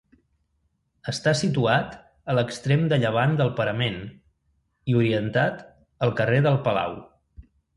Està situat a l'extrem de llevant del parament, i orientat al carrer del Palau.